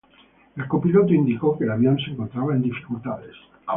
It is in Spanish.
El copiloto indicó que el avión se encontraba en dificultades.